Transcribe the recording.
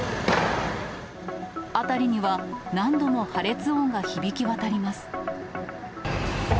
辺りには何度も破裂音が響き渡ります。